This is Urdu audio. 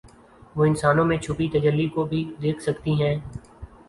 وہ انسانوں میں چھپی تجلی کو بھی دیکھ سکتی ہیں